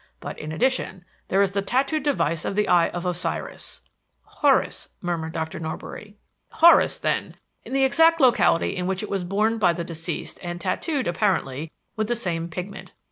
But in addition, there is the tattooed device of the Eye of Osiris " "Horus," murmured Dr. Norbury. "Horus, then in the exact locality in which it was borne by the deceased and tattooed, apparently, with the same pigment.